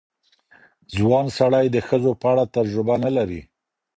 ځوان سړی د ښځو په اړه تجربه نه لري.